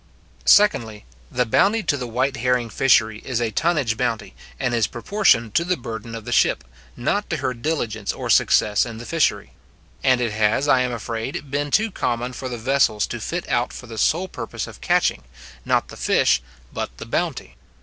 } Secondly, The bounty to the white herring fishery is a tonnage bounty, and is proportioned to the burden of the ship, not to her diligence or success in the fishery; and it has, I am afraid, been too common for the vessels to fit out for the sole purpose of catching, not the fish but the bounty.